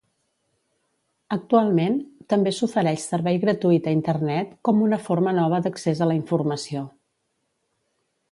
Actualment, també, s'ofereix servei gratuït a internet com una forma nova d'accés a la informació.